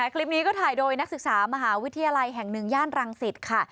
คลิปนี้ก็ถ่ายโดยนักศึกษามหาวิทยาลัยแห่งหนึ่งย่านรังสิตค่ะ